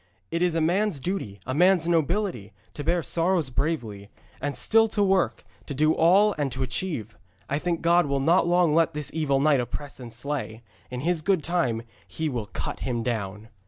It is a man's duty, a man's nobility, to bear sorrows bravely, and still to work, to do all and to achieve. I think God will not long let this evil knight oppress and slay. In His good time He will cut him down.'